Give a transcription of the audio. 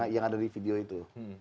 yang ada di video itu